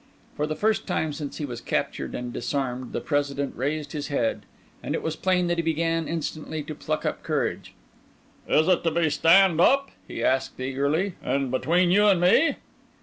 For the first time since he was captured and disarmed the President raised his head, and it was plain that he began instantly to pluck up courage. "Is it to be stand up?" he asked eagerly, "and between you and me?"